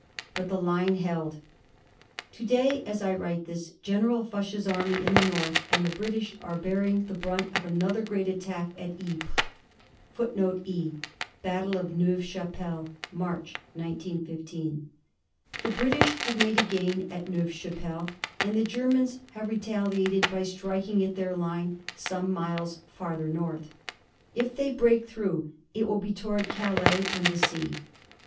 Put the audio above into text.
But the line held. To day, as I write this, General Foch's army in the North and the British are bearing the brunt of another great attack at Ypres.[E] The British have made a gain at Neuve Chapelle, and the Germans have retaliated by striking at their line, some miles farther north. If they break through it will be toward Calais and the sea.